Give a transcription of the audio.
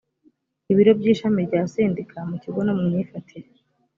ibiro by ishami rya sendika mu kigo no mu myifatire